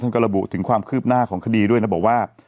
ก็ระบุถึงความคืบหน้าของคดีด้วยนะบอกว่า